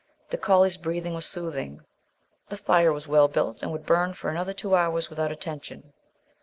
The collie's breathing was soothing. The fire was well built, and would burn for another two hours without attention.